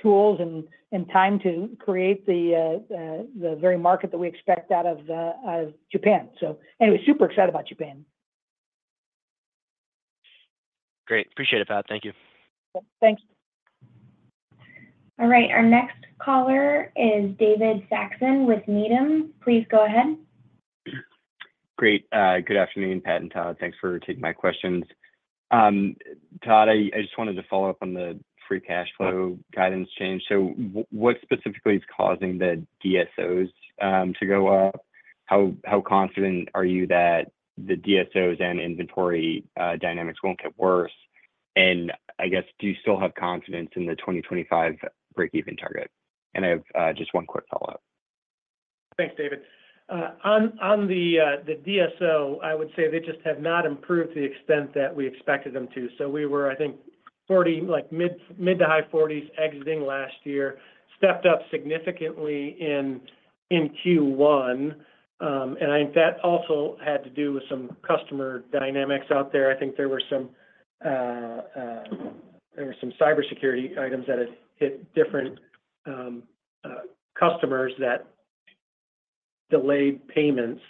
tools and time to create the very market that we expect out of Japan. So, anyway, super excited about Japan. Great. Appreciate it, Pat. Thank you. Thanks. All right, our next caller is David Saxon with Needham. Please go ahead. Great. Good afternoon, Pat and Todd. Thanks for taking my questions. Todd, I just wanted to follow up on the free cash flow guidance change. So, what specifically is causing the DSOs to go up? How confident are you that the DSOs and inventory dynamics won't get worse? And I guess, do you still have confidence in the 2025 break-even target? And I have just one quick follow-up. Thanks, David. On the DSO, I would say they just have not improved to the extent that we expected them to. So we were, I think, 40, like mid- to high 40s exiting last year, stepped up significantly in Q1, and I think that also had to do with some customer dynamics out there. I think there were some cybersecurity items that had hit different customers that delayed payments.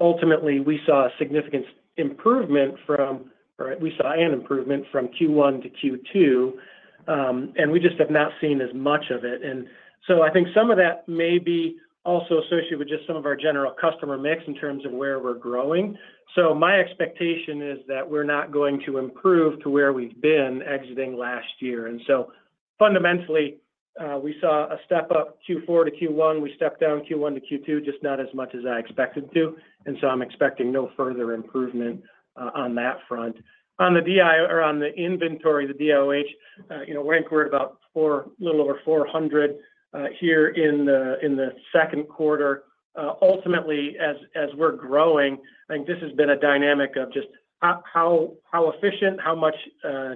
Ultimately, we saw a significant improvement from, or we saw an improvement from Q1 to Q2, and we just have not seen as much of it. And so I think some of that may be also associated with just some of our general customer mix in terms of where we're growing. So, my expectation is that we're not going to improve to where we've been exiting last year. And so fundamentally, we saw a step up Q4 to Q1. We stepped down Q1 to Q2, just not as much as I expected to, and so I'm expecting no further improvement on that front. On the DI or on the inventory, the DOH, you know, rank, we're at about four - a little over 400 here in the second quarter. Ultimately, as we're growing, I think this has been a dynamic of just how efficient, how much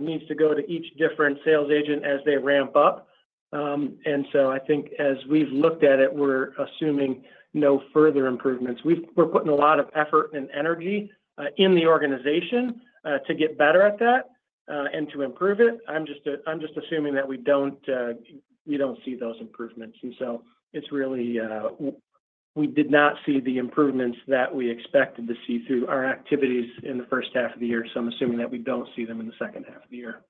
needs to go to each different sales agent as they ramp up. And so, I think as we've looked at it, we're assuming no further improvements. We're putting a lot of effort and energy in the organization to get better at that and to improve it. I'm just, I'm just assuming that we don't, we don't see those improvements. And so, it's really, we did not see the improvements that we expected to see through our activities in the first half of the year, so I'm assuming that we don't see them in the second half of the year.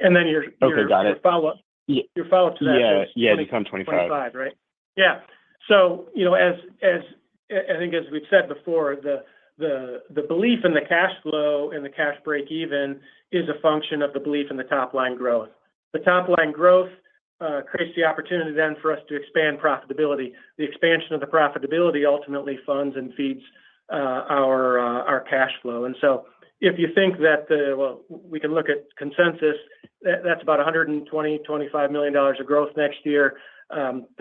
And then your- Okay, got it. Your follow-up. Yeah. Your follow-up to that- Yeah. Yeah, become 25. 25, right? Yeah. So, you know, as I think as we've said before, the belief in the cash flow and the cash breakeven is a function of the belief in the top line growth. The top line growth creates the opportunity then for us to expand profitability. The expansion of the profitability ultimately funds and feeds our cash flow. And so, if you think that, well, we can look at consensus, that's about $125 million of growth next year. 35% of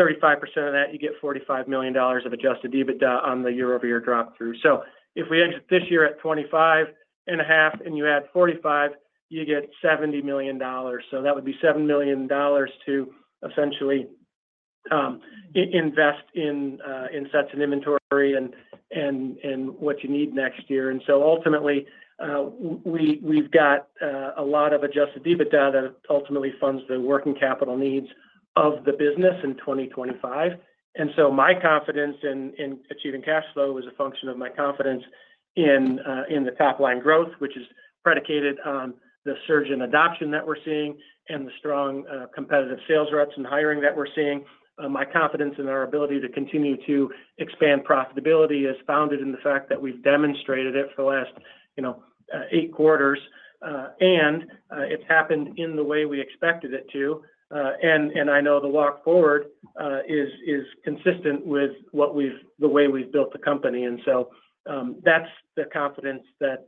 that, you get $45 million of Adjusted EBITDA on the year-over-year drop through. So, if we ended this year at 25.5 and you add 45, you get $70 million. So, that would be $7 million to essentially invest in sets and inventory and what you need next year. And so ultimately, we've got a lot of Adjusted EBITDA that ultimately funds the working capital needs of the business in 2025. And so, my confidence in achieving cash flow is a function of my confidence in the top line growth, which is predicated on the surge in adoption that we're seeing and the strong competitive sales reps and hiring that we're seeing. My confidence in our ability to continue to expand profitability is founded in the fact that we've demonstrated it for the last, you know, 8 quarters, and it's happened in the way we expected it to. And I know the walk forward is consistent with what we've—the way we've built the company. And so, that's the confidence that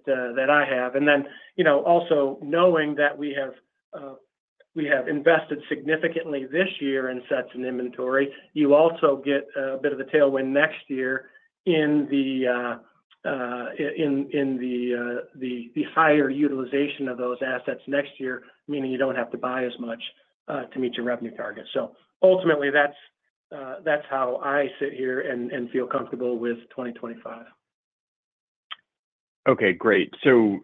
I have. And then, you know, also knowing that we have invested significantly this year in sets and inventory, you also get a bit of a tailwind next year in the higher utilization of those assets next year, meaning you don't have to buy as much to meet your revenue targets. So, ultimately, that's how I sit here and feel comfortable with 2025. Okay, great. So,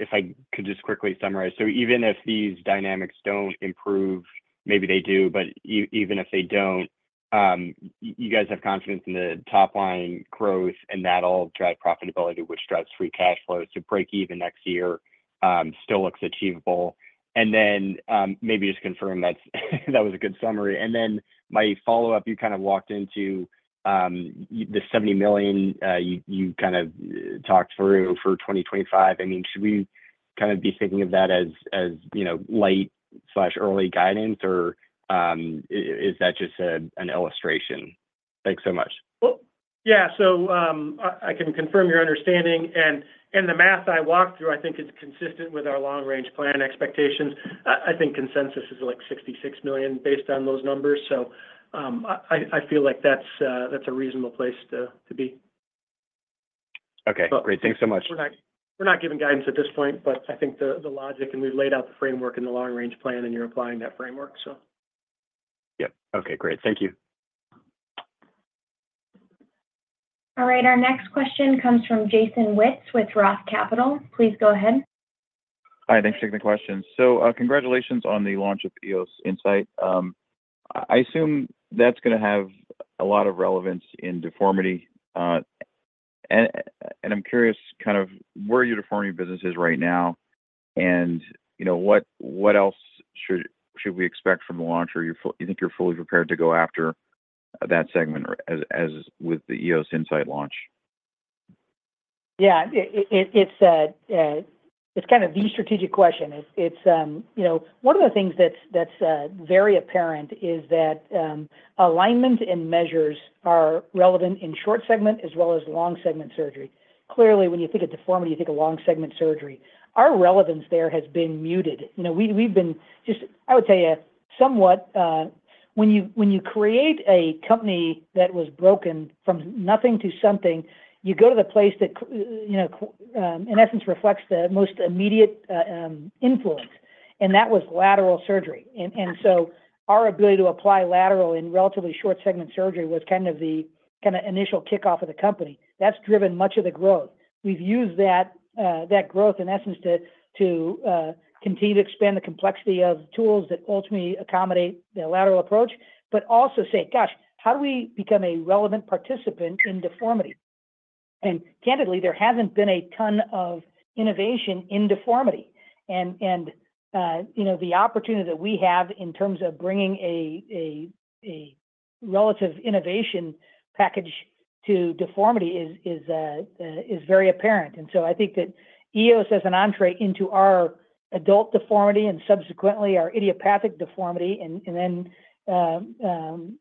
if I could just quickly summarize. So even if these dynamics don't improve, maybe they do, but even if they don't, you guys have confidence in the top line growth, and that'll drive profitability, which drives free cash flow. To break even next year, still looks achievable. And then, maybe just confirm that that was a good summary. And then my follow-up, you kind of walked into, the $70 million, you kind of talked through for 2025. I mean, should we kind of be thinking of that as, as, you know, late or early guidance, or, is that just a, an illustration? Thanks so much. Well, yeah. So, I can confirm your understanding, and the math I walked through, I think is consistent with our long-range plan expectations. I think consensus is like $66 million based on those numbers. So, I feel like that's a reasonable place to be. Okay. Great. Well- Thanks so much. We're not giving guidance at this point, but I think the logic, and we've laid out the framework in the long-range plan, and you're applying that framework, so. Yep. Okay, great. Thank you. All right, our next question comes from Jason Wittes with Roth Capital Partners. Please go ahead. Hi, thanks for taking the question. So, congratulations on the launch of EOS Insight. I assume that's gonna have a lot of relevance in deformity. And I'm curious kind of where your deformity business is right now, and, you know, what else should we expect from the launch? Are you? You think you're fully prepared to go after that segment as with the EOS Insight launch? Yeah. It's kind of the strategic question. It's you know... One of the things that's very apparent is that alignment and measures are relevant in short segment as well as long segment surgery. Clearly, when you think of deformity, you think of long segment surgery. Our relevance there has been muted. You know, we've been just. I would tell you, somewhat, when you when you create a company that was broken from nothing to something, you go to the place that you know in essence, reflects the most immediate influence, and that was lateral surgery. And so our ability to apply lateral in relatively short segment surgery was kind of the kinda initial kickoff of the company. That's driven much of the growth.... We've used that growth, in essence, to continue to expand the complexity of tools that ultimately accommodate the lateral approach, but also say, "Gosh, how do we become a relevant participant in deformity?" And candidly, there hasn't been a ton of innovation in deformity. And you know, the opportunity that we have in terms of bringing a relative innovation package to deformity is very apparent. And so I think that EOS as an entree into our adult deformity and subsequently our idiopathic deformity, and then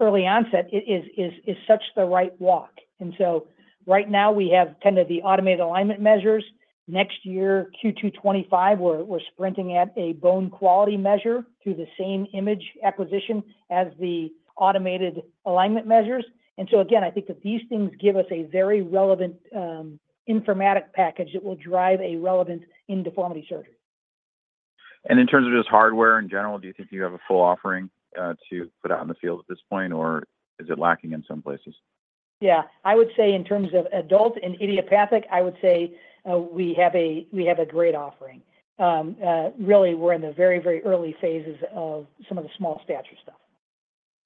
early onset is such the right walk. And so right now we have kind of the automated alignment measures. Next year, Q2 2025, we're sprinting at a bone quality measure through the same image acquisition as the automated alignment measures. So again, I think that these things give us a very relevant informatic package that will drive a relevance in deformity surgery. In terms of just hardware in general, do you think you have a full offering to put out in the field at this point, or is it lacking in some places? Yeah. I would say in terms of adult and idiopathic, I would say, we have a great offering. Really, we're in the very, very early phases of some of the small stature stuff.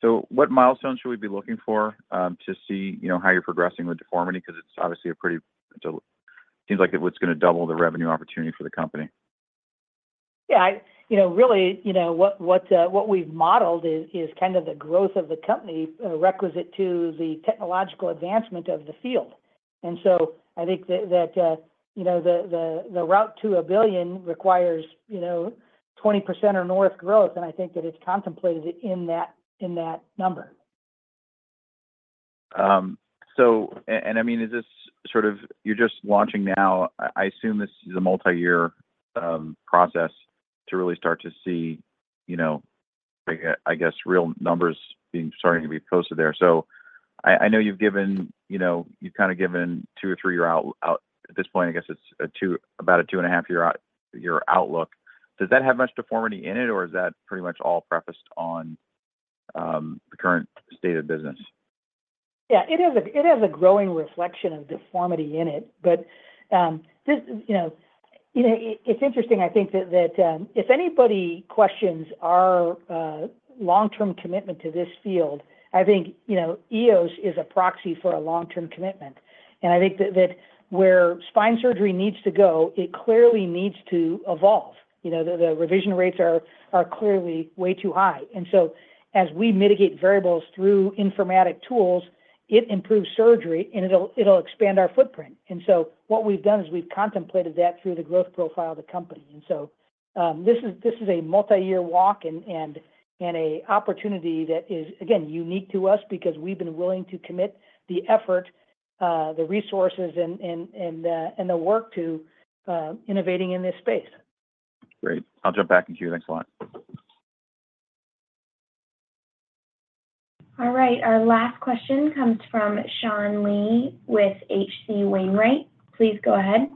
So, what milestones should we be looking for, to see, you know, how you're progressing with deformity? Because it's obviously a pretty... It seems like it's gonna double the revenue opportunity for the company. Yeah, I you know really you know what we've modeled is kind of the growth of the company requisite to the technological advancement of the field. So, I think that you know the route to $1 billion requires you know 20% or north growth, and I think that it's contemplated in that number. So, I mean, is this sort of, you're just launching now? I assume this is a multi-year process to really start to see, you know, I guess, real numbers being starting to be posted there. So I know you've given, you know, you've kind of given 2 or 3 year out at this point, I guess it's a 2, about a 2.5-year out, year outlook. Does that have much deformity in it, or is that pretty much all prefaced on the current state of business? Yeah, it has a growing reflection of deformity in it. But, this, you know, it, it's interesting, I think, that, that, if anybody questions our, long-term commitment to this field, I think, you know, EOS is a proxy for a long-term commitment. And I think that, that where spine surgery needs to go, it clearly needs to evolve. You know, the, the revision rates are, are clearly way too high. And so as we mitigate variables through informatic tools, it improves surgery, and it'll, it'll expand our footprint. And so what we've done is we've contemplated that through the growth profile of the company. And so, this is a multi-year walk and a opportunity that is, again, unique to us because we've been willing to commit the effort, the resources, and the work to innovating in this space. Great. I'll jump back in queue. Thanks a lot. All right, our last question comes from Sean Lee with H.C. Wainwright. Please go ahead.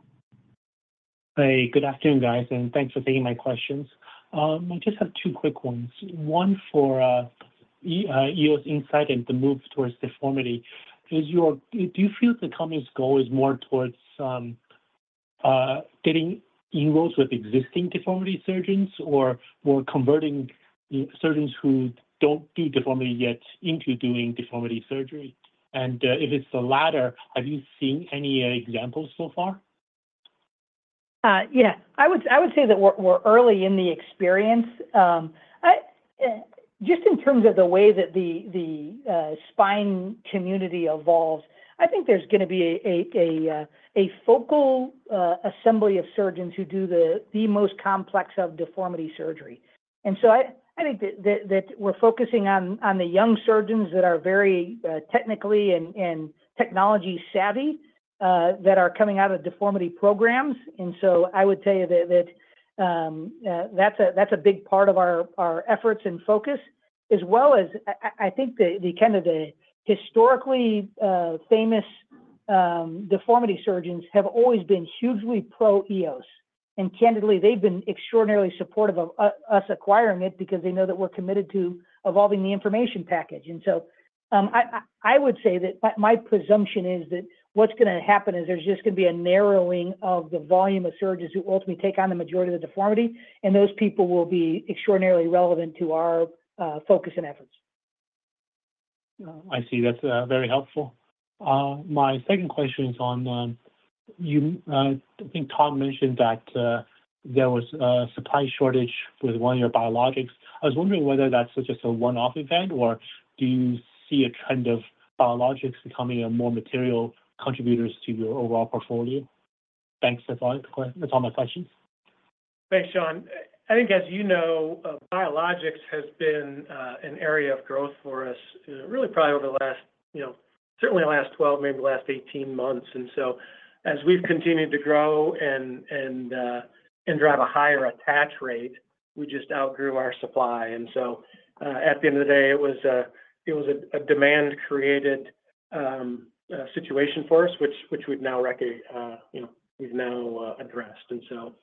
Hey, good afternoon, guys, and thanks for taking my questions. I just have two quick ones. One for EOS Insight into moves towards deformity. Do you feel the company's goal is more towards getting involved with existing deformity surgeons, or more converting surgeons who don't do deformity yet into doing deformity surgery? And if it's the latter, have you seen any examples so far? Yeah. I would say that we're early in the experience. Just in terms of the way that the spine community evolves, I think there's gonna be a focal assembly of surgeons who do the most complex of deformity surgery. And so I think that we're focusing on the young surgeons that are very technically and technology savvy that are coming out of deformity programs. And so I would tell you that that's a big part of our efforts and focus, as well as I think the kind of the historically famous deformity surgeons have always been hugely pro-EOS. And candidly, they've been extraordinarily supportive of us acquiring it because they know that we're committed to evolving the information package. And so, I would say that my presumption is that what's gonna happen is there's just gonna be a narrowing of the volume of surgeons who ultimately take on the majority of the deformity, and those people will be extraordinarily relevant to our focus and efforts. I see. That's very helpful. My second question is on you. I think Todd mentioned that there was a supply shortage with one of your biologics. I was wondering whether that's just a one-off event, or do you see a trend of biologics becoming a more material contributors to your overall portfolio? Thanks. That's all, that's all my questions. Thanks, Sean. I think, as you know, biologics has been an area of growth for us, really probably over the last, you know, certainly the last 12, maybe the last 18 months. And so, as we've continued to grow and drive a higher attach rate, we just outgrew our supply. And so, at the end of the day, it was a demand-created situation for us, which we've now, you know, addressed. And so,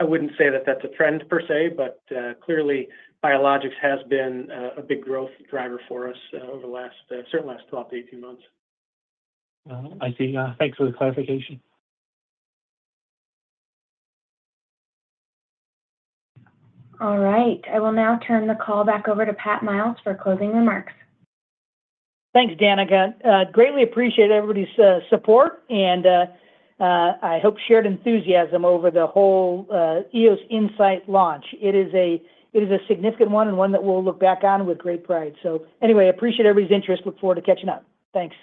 I wouldn't say that that's a trend per se, but clearly, biologics has been a big growth driver for us, over the last, certainly last 12 to 18 months. I see. Thanks for the clarification. All right, I will now turn the call back over to Pat Miles for closing remarks. Thanks, Danica. Greatly appreciate everybody's support, and I hope shared enthusiasm over the whole EOS Insight launch. It is a significant one, and one that we'll look back on with great pride. So, anyway, appreciate everybody's interest. Look forward to catching up. Thanks.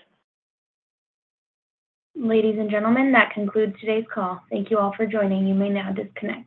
Ladies and gentlemen, that concludes today's call. Thank you all for joining. You may now disconnect.